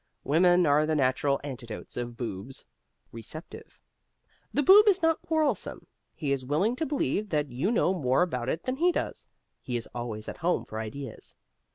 Women are the natural antidotes of Boobs. RECEPTIVE The Boob is not quarrelsome. He is willing to believe that you know more about it than he does. He is always at home for ideas.